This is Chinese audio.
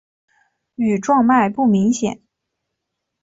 羽状脉不明显。